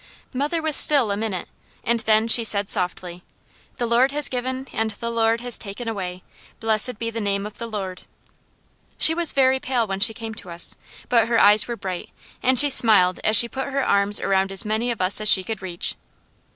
Mother was still a minute and then she said softly: "'The Lord has given and the Lord has taken away. Blessed be the name of the Lord.'" She was very pale when she came to us, but her eyes were bright and she smiled as she put her arms around as many of us as she could reach.